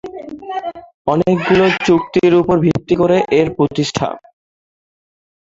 অনেকগুলো চুক্তির উপর ভিত্তি করে এর প্রতিষ্ঠা।